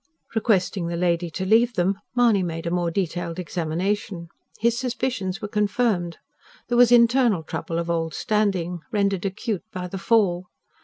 Requesting the lady to leave them, Mahony made a more detailed examination. His suspicions were confirmed: there was internal trouble of old standing, rendered acute by the fall.